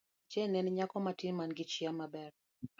Jane ne en nyako matin man gi chia maber.